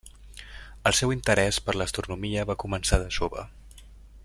El seu interès per l'astronomia va començar de jove.